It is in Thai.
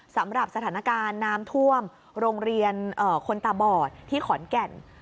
สำหรับสถานการณ์น้ำท่วมโรงเรียนคนตาบอดที่ขอนแก่น